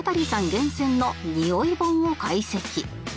厳選の匂い本を解析